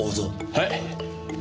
はい！